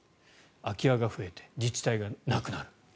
空き家が増えて自治体がなくなる。